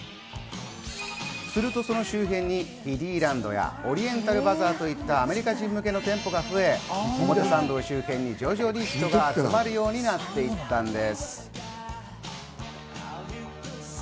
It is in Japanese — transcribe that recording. すると、その周辺にキディランドやオリエンタルバサーといったアメリカ人向けの店舗が増え、表参道周辺に徐々に人が集まるようになっていったんです。